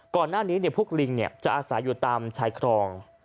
ก่อนหน้านี้พวกลิงจะอาศัยอยู่ตามชายครอง